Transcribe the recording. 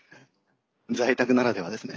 在宅ならではですね。